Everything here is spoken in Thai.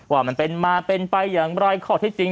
ว่ามันเป็นมาเป็นไปอย่างไรข้อที่จริง